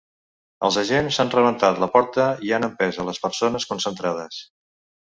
Els agents han rebentat la porta i han empès a les persones concentrades.